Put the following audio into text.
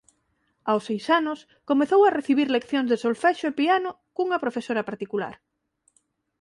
Aos seis anos comezou a recibir leccións de solfexo e piano cunha profesora particular.